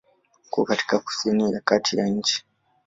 Uko katika kusini ya kati ya nchi.